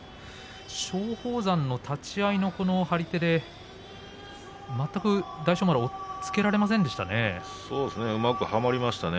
松鳳山の立ち合いの張り手で全く大翔丸、押っつけられませんでしたね。